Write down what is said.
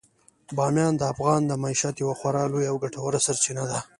بامیان د افغانانو د معیشت یوه خورا لویه او ګټوره سرچینه ده.